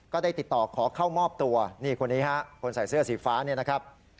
ก็ได้ติดต่อขอเข้ามอบตัวนี่คนนี้ฮะคนใส่เสื้อสีฟ้าเนี่ยนะครับ